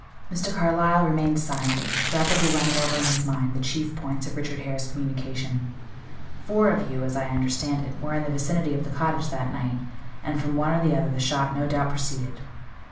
'" Mr. Carlyle remained silent, rapidly running over in his mind the chief points of Richard Hare's communication. "Four of you, as I understand it, were in the vicinity of the cottage that night, and from one or the other the shot no doubt proceeded.